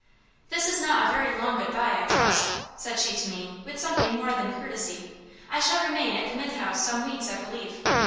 "This is not a very long good bye, I trust?" said she to me, with something more than courtesy. "I shall remain at the Mythe House some weeks, I believe.